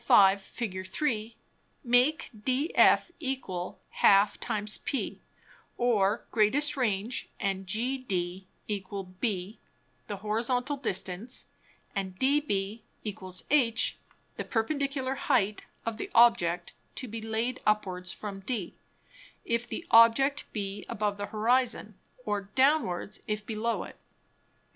5. Fig. 3._) make DF = ½p, or greatest Range, and GD = b the Horizontal Distance, and DB = h the perpendicular heighth of the Object; to be laid upwards from D, if the Object be above the Horizon, or downwards if below it.